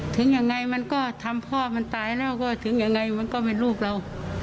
ถึงยังไงมันก็ทำพ่อมันตายแล้วก็ถึงยังไงมันก็เป็นลูกเรา